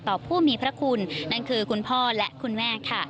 ต่อผู้มีพระคุณคุณพ่อและคุณแม่